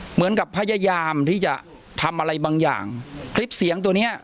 เหมือนกับพยายามที่จะทำอะไรบางอย่างคลิปเสียงตัวเนี้ย